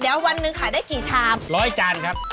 เดี๋ยววันหนึ่งขายได้กี่ชามร้อยจานครับ